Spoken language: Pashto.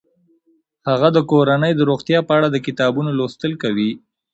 هغه د کورنۍ د روغتیا په اړه د کتابونو لوستل کوي.